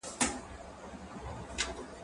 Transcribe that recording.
زه پرون سړو ته خواړه ورکوم